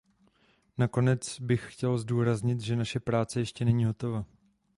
Nakonec bych chtěl zdůraznit, že naše práce ještě není hotova.